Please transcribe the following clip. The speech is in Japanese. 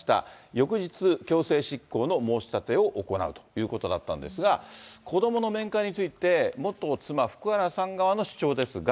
翌日、強制執行の申し立てを行うということだったんですが、子どもの面会について、元妻、福原さん側の主張ですが。